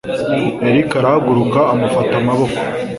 Eric arahaguruka amufata amaboko.